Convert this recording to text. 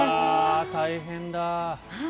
大変だ。